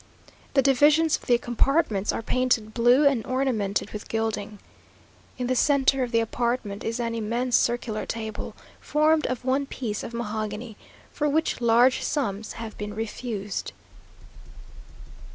The divisions of the compartments are painted blue and ornamented with gilding. In the centre of the apartment is an immense circular table, formed of one piece of mahogany; for which large sums have been refused.